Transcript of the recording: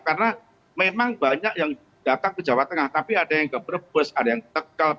karena memang banyak yang datang ke jawa tengah tapi ada yang ke brebes ada yang ke tekal